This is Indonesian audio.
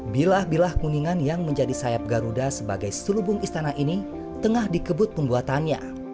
bilah bilah kuningan yang menjadi sayap garuda sebagai selubung istana ini tengah dikebut pembuatannya